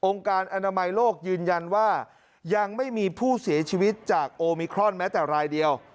การอนามัยโลกยืนยันว่ายังไม่มีผู้เสียชีวิตจากโอมิครอนแม้แต่รายเดียว